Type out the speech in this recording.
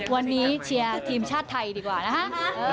วันนี้แชร์ทฤมศาสตร์ไทยดีกว่านะคะ